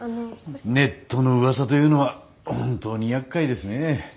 ネットのうわさというのは本当にやっかいですね。